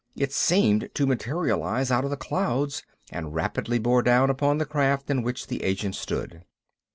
It seemed to materialize out of the clouds, and rapidly bore down upon the craft in which the agent stood.